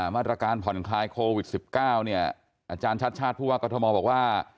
มาตรการผ่อนคลายโควิด๑๙เนี่ยอาจารย์ชาติชาติผู้ว่ากรทมบอกว่า